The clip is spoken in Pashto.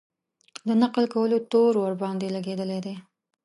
د نقل کولو تور ورباندې لګېدلی دی.